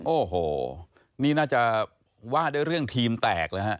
โอ้โหนี่น่าจะว่าด้วยเรื่องทีมแตกเลยฮะ